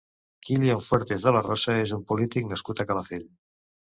Kilian Fuertes de la Rosa és un polític nascut a Calafell.